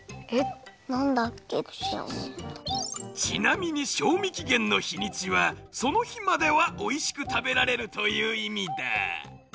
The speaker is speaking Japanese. ちなみに賞味期限のひにちはその日まではおいしく食べられるといういみだ。